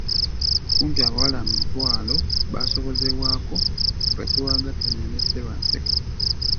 Kumpi abawala mutwalo baasobozebwako wakati wa Gatonnya ne Ssebaaseka.